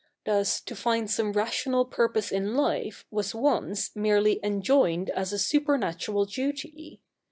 Thus, to find some rational purpose in life was once merely enjoined as a supernatural duty.